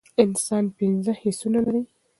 انسان پنځه حسونه لری